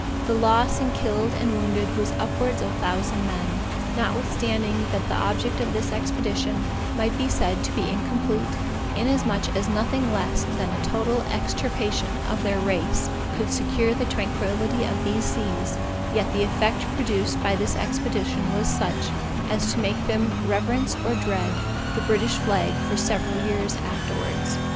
The loss in killed and wounded was upwards of a thousand men. Notwithstanding that the object of this expedition might be said to be incomplete, inasmuch as nothing less than a total extirpation of their race could secure the tranquility of these seas, yet the effect produced by this expedition was such, as to make them reverence or dread the British flag for several years afterwards.